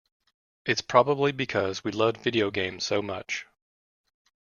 It's probably because we loved video games so much.